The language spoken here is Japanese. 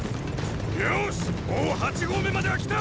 よォしもう八合目までは来た！